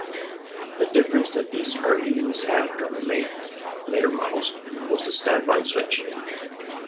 The difference that these early units had from later models was the standby switch.